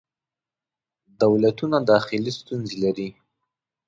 دولتونه داخلې ستونزې لري.